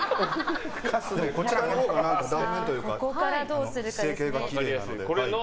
こちらのほうが断面というか成形がきれいなので、こちらに。